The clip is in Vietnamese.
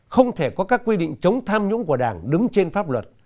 không thể có các quy định chống tham nhũng của đảng đứng trên pháp luật